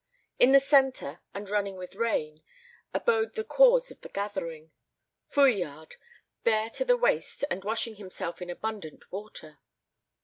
In the center, and running with rain, abode the cause of the gathering Fouillade, bare to the waist and washing himself in abundant water.